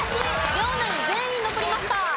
両ナイン全員残りました。